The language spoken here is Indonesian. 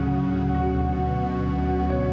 ayah juga baik baik ya